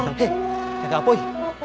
eh jaga ampun